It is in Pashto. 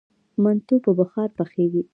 منتو په بخار پخیږي؟